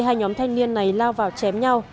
hai nhóm thanh niên này lao vào chém nhau